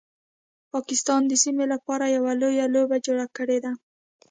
پاکستان د سیمې لپاره یو لویه لوبه جوړه کړیده